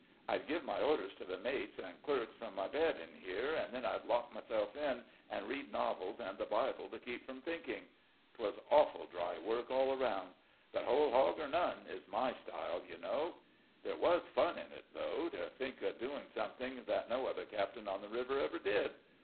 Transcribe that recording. I'd give my orders to the mates and clerks from my bed in here, and then I'd lock myself in, and read novels and the Bible to keep from thinking. 'Twas awful dry work all around; but 'whole hog or none' is my style, you know. There was fun in it, though, to think of doing something that no other captain on the river ever did.